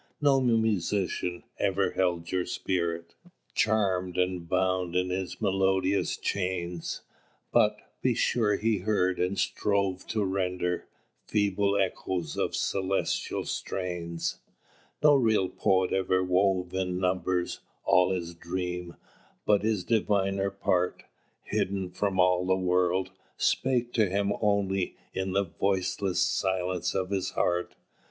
"No Musician ever held your spirit Charmed and bound in his melodious chains; But, be sure, he heard, and strove to render, Feeble echoes of celestial strains. "No real Poet ever wove in numbers All his dream, but the diviner part, Hidden from all the world, spake to him only In the voiceless silence of his heart.